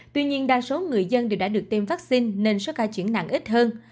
tuy nhiên đa số người dân đều đã được tiêm vaccine nên số ca chuyển nặng ít hơn